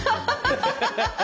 ハハハハ！